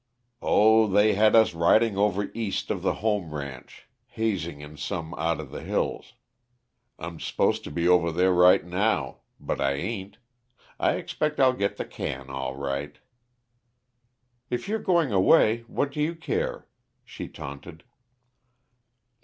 "Oh, they had us riding over east of the home ranch, hazing in some outa the hills. I'm supposed to be over there right now but I ain't. I expect I'll get the can, all right " "If you're going away, what do you care?" she taunted.